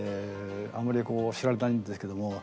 あんまりこう知られてないんですけども。